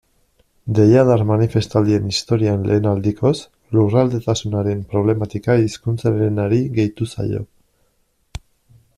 Deiadar manifestaldien historian lehen aldikoz, lurraldetasunaren problematika hizkuntzarenari gehitu zaio.